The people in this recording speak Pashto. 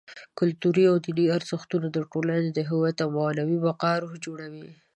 کلتوري او دیني ارزښتونه: د ټولنې د هویت او معنوي بقا روح جوړوي.